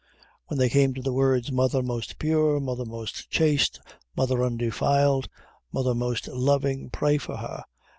When they came to the words, "Mother most pure, Mother most chaste, Mother undefiled, Mother most loving, pray for her!"